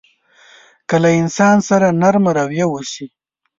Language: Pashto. که له انسان سره نرمه رويه وشي.